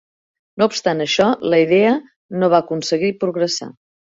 No obstant això, la idea no va aconseguir progressar.